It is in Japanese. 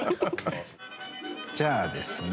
じゃあですね